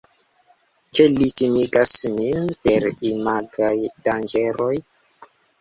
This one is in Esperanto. Ke li timigas nin per imagaj danĝeroj?